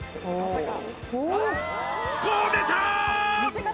こう出た！